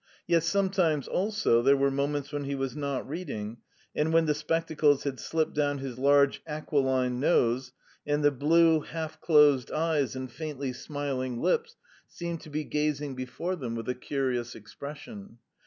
Yet sometimes, also, there were moments when he was not reading, and when the spectacles had slipped down his large aquiline nose, and the blue, half closed eyes and faintly smiling lips seemed to be gazing before them with a curious expression.